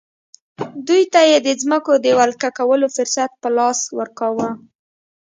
دوی ته یې د ځمکو د ولکه کولو فرصت په لاس ورکاوه.